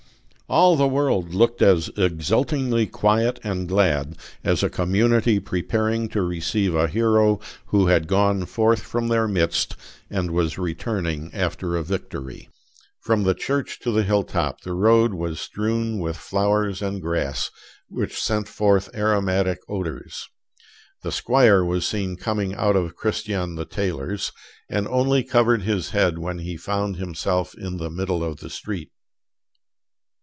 All the world looked as exultingly quiet and glad as a community preparing to receive a hero who had gone forth from their midst and was returning after a victory. From the church to the hill top the road was strewn with flowers and grass, which sent forth aromatic odors. The squire was seen coming out of Christian the tailor's, and only covered his head when he found himself in the middle of the street.